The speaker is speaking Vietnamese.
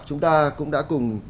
chúng ta cũng đã cùng